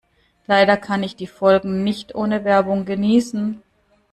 Leider kann ich die Folgen nicht ohne Werbung genießen.